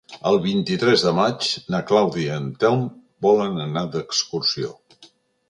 El vint-i-tres de maig na Clàudia i en Telm volen anar d'excursió.